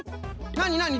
なになに？